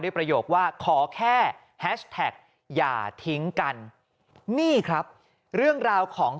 ประโยคว่าขอแค่แฮชแท็กอย่าทิ้งกันนี่ครับเรื่องราวของ